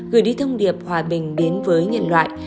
gửi đi thông điệp hòa bình đến với nhân loại